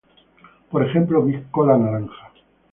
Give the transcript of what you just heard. Por ejemplo, Big Cola Naranja.